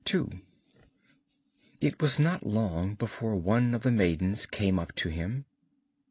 _] It was not long before one of the maidens came up to him.